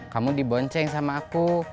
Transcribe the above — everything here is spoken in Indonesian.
kamu dibonceng sama aku